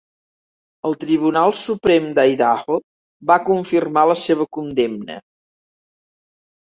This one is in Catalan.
El tribunal suprem d'Idaho va confirmar la seva condemna.